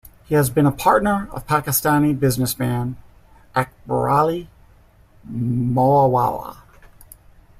He has been a partner of Pakistani businessman Akberali Moawalla.